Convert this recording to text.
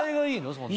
そんな。